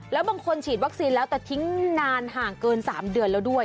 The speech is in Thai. แล้วบางคนฉีดวัคซีนแล้วแต่ทิ้งนานห่างเกิน๓เดือนแล้วด้วย